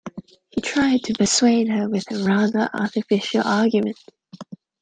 He tried to persuade her with a rather artificial argument